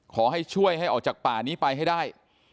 ขอให้ช่วยให้ออกจากป่านี้ไปให้ได้